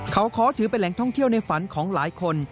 เขาขอถือเป็นแหล่งท่องเที่ยวในฝันของหลายคน